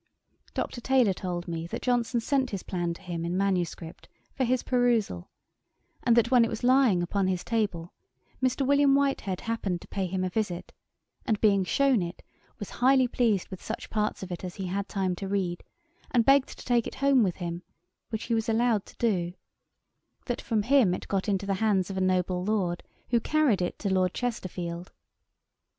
Dr. Taylor told me, that Johnson sent his Plan to him in manuscript, for his perusal; and that when it was lying upon his table, Mr. William Whitehead happened to pay him a visit, and being shewn it, was highly pleased with such parts of it as he had time to read, and begged to take it home with him, which he was allowed to do; that from him it got into the hands of a noble Lord, who carried it to Lord Chesterfield.